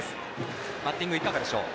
バッティングいかがでしょう？